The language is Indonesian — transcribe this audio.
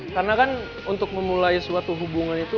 karena kan untuk memulai suatu hubungan itu